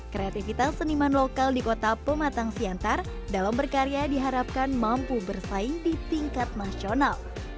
kreativitas seniman lokal di kota pematang siantar dalam berkarya diharapkan mampu bersaing di tingkat nasional